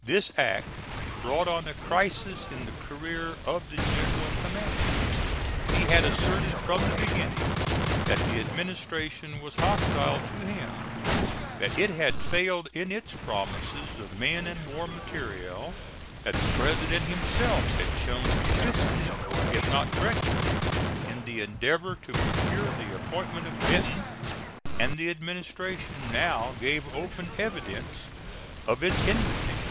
This act brought on a crisis in the career of the general commanding. He had asserted from the beginning that the administration was hostile to him; that it had failed in its promises of men and war material; that the President himself had shown duplicity if not treachery in the endeavor to procure the appointment of Benton: and the administration now gave open evidence of its enmity.